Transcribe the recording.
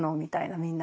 みんな。